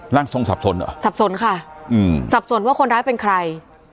ทรงสับสนเหรอสับสนค่ะอืมสับสนว่าคนร้ายเป็นใคร